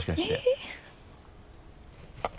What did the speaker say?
えっ？